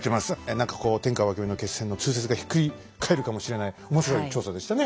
何かこう天下分け目の決戦の通説がひっくり返るかもしれない面白い調査でしたね